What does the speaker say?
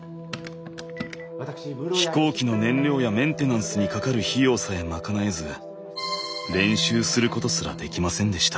飛行機の燃料やメンテナンスにかかる費用さえ賄えず練習することすらできませんでした。